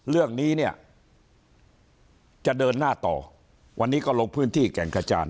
เรื่องนี้เนี่ยจะเดินหน้าต่อวันนี้ก็ลงพื้นที่แก่งกระจาน